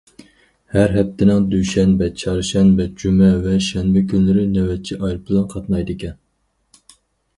ھەر ھەپتىنىڭ دۈشەنبە، چارشەنبە، جۈمە ۋە شەنبە كۈنلىرى نۆۋەتچى ئايروپىلان قاتنايدىكەن.